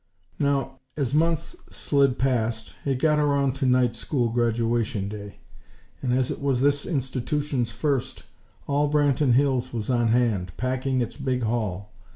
Now, as months slid past it got around to Night School graduation day; and as it was this institution's first, all Branton Hills was on hand, packing its big hall.